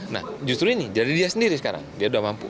nah justru ini dari dia sendiri sekarang dia udah mampu